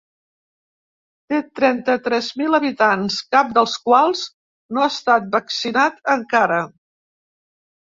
Té trenta-tres mil habitants, cap dels quals no ha estat vaccinat encara.